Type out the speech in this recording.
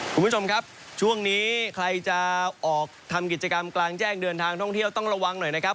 คุณผู้ชมครับช่วงนี้ใครจะออกทำกิจกรรมกลางแจ้งเดินทางท่องเที่ยวต้องระวังหน่อยนะครับ